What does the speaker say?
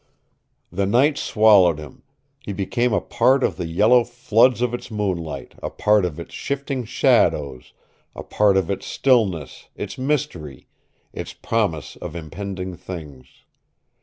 The night swallowed him. He became a part of the yellow floods of its moonlight, a part of its shifting shadows, a part of its stillness, its mystery, its promise of impending things.